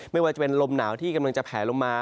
ไม่ว่าจะเป็นลมหนาวที่กำลังจะแผลลงมา